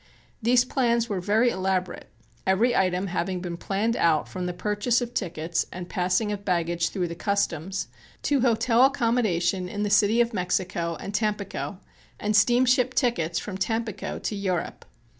These plans were very elaborate, every item having been planned out from the purchase of tickets, and passing of baggage through the customs, to hotel accommodation in the City of Mexico and Tampico, and steamship tickets from Tampico to Europe.